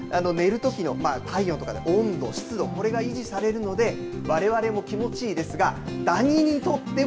さらには、寝るときの体温とか温度、湿度これが維持されるのでわれわれも気持ちいいですがだににとっても